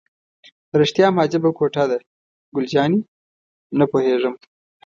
رښتیا هم عجیبه کوټه ده، ګل جانې: نه پوهېږم.